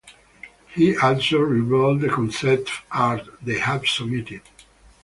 He also revealed the concept art they had submitted.